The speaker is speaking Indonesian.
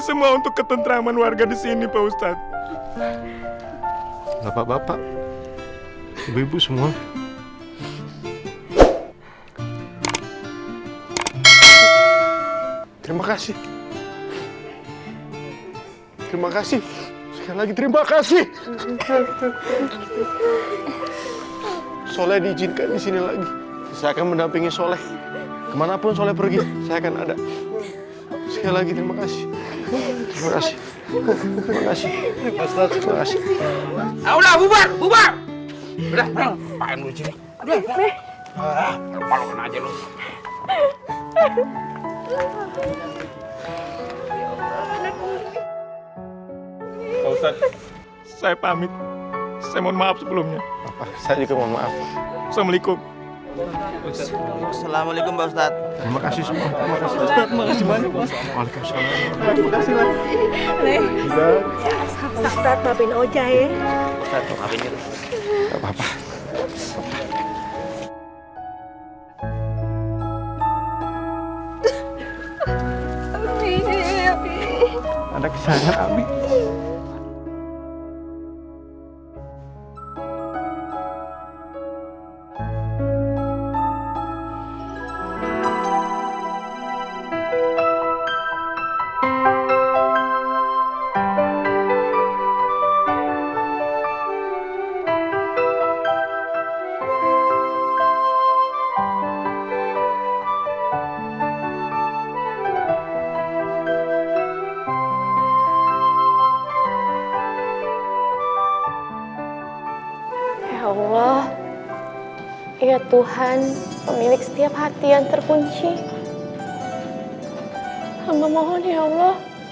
semua untuk ketentraman warga di sini bahan usah abasyai bapak bapak ibu ibu semua